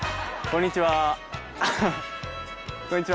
こんにちは。